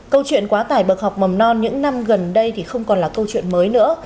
câu chuyện quá tải bậc học mầm non những năm gần đây thì không còn là câu chuyện mới nữa